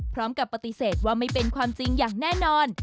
พร้อมกับปฏิเสธว่าไม่เป็นความจริงอย่างแน่นอน